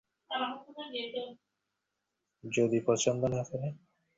রাত তিনটার দিকে ঘুমের আশা ছেড়ে দিয়ে বারান্দায় বেতের চেয়ারে বসলেন।